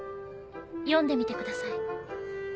読んでみてください。